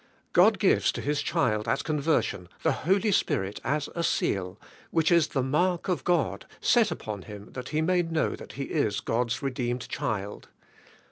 God g ives to His child at conversion, the Holy Spirit as a seal, which is the mark of God, set upon him that he may know that he is God's re deemed child.